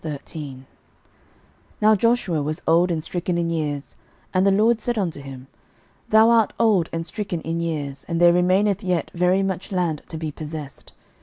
06:013:001 Now Joshua was old and stricken in years; and the LORD said unto him, Thou art old and stricken in years, and there remaineth yet very much land to be possessed.